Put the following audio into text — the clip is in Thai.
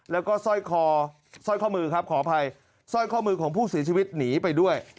แล้วก็สร้อยข้อมือของผู้สีชีวิตหนีไปด้วย